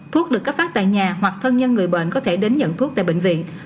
thuốc được cấp phát tại nhà hoặc thân nhân người bệnh có thể đến nhận thuốc tại bệnh viện